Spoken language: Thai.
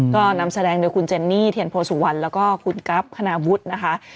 ก็นำแสดงโดยคุณเจนนี่เทียนโพสุวรรณแล้วก็คุณกั๊บคณาวุฒินะคะ